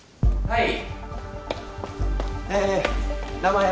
はい。